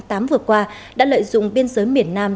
nghi phạm vừa qua đã lợi dụng biên giới miền nam